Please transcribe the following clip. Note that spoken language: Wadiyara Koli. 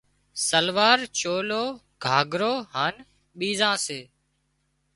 شلوار، چولو، گھاگھرو، هانَ ٻيزان سي